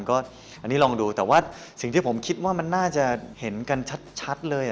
อันนี้ลองดูแต่ว่าสิ่งที่ผมคิดว่ามันน่าจะเห็นกันชัดเลย